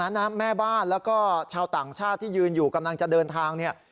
นะแม่บ้านแล้วก็ชาวต่างชาติที่ยืนอยู่กำลังจะเดินทางเนี่ย